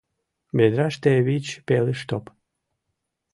Ведраште вич пелыштоп...